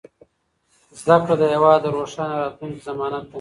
زده کړه د هېواد د روښانه راتلونکي ضمانت دی.